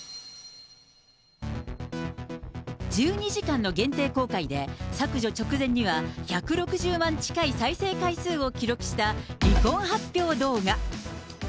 １２時間の限定公開で、削除直前には１６０万近い再生回数を記録した離婚発表動画。